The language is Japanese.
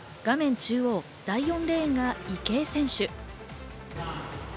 中央、第４レーンが池江選手。